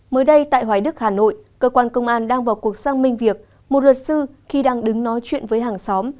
mới đây tại hoài đức hà nội cơ quan công an đang vào cuộc sang minh việc một luật sư khi đang đứng nói chuyện với hàng xóm